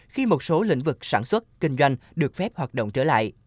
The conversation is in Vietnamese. khi một số lĩnh vực sản xuất kinh doanh được phép hoạt động trở lại